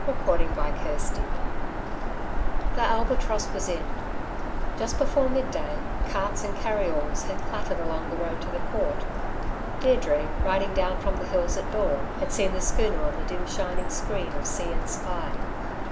CHAPTER XLVI The Albatross was in. Just before midday, carts and carry alls had clattered along the road to the Port. Deirdre, riding down from the hills at dawn, had seen the schooner on the dim shining screen of sea and sky.